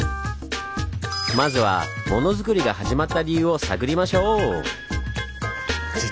まずはモノづくりが始まった理由を探りましょう！